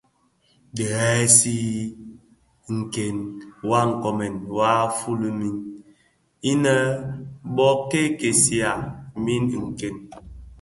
Dhi dhesi nken wa nkonen waa folomin innë bo kosigha min nken.